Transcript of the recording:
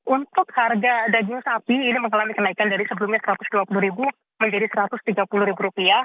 untuk harga daging sapi ini mengalami kenaikan dari sebelumnya rp satu ratus dua puluh menjadi rp satu ratus tiga puluh